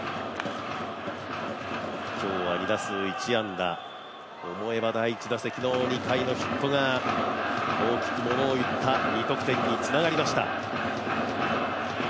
今日は２打数１安打、思えば２回のヒットが大きくものをいった２得点につながりました。